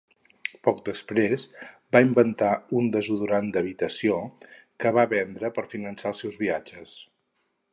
Poc després, va inventar un desodorant d'habitació, que va vendre per finançar els seus viatges.